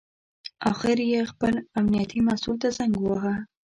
اخر یې خپل امنیتي مسوول ته زنګ وواهه.